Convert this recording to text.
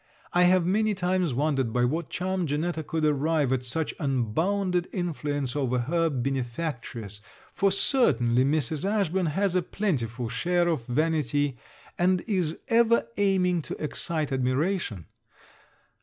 I have many times wondered by what charm Janetta could arrive at such unbounded influence over her benefactress, for certainly Mrs. Ashburn has a plentiful share of vanity, and is ever aiming to excite admiration.